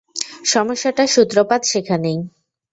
সমস্যাটার সূত্রপাত সেখানেই।